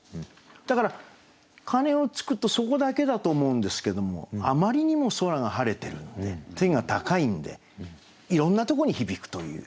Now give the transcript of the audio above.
だから鐘をつくとそこだけだと思うんですけどもあまりにも空が晴れてるので天が高いんでいろんなとこに響くという。